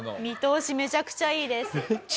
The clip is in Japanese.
見通しめちゃくちゃいいです。